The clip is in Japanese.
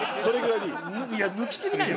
いや抜きすぎない？